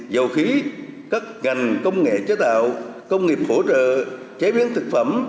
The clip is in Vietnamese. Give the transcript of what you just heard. dầu khí các ngành công nghệ chế tạo công nghiệp phổ trợ chế biến thực phẩm